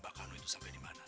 pak ahan juga bukan banyak